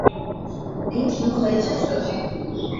林廷圭之子。